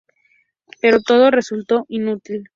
Pero todo resultó inútil.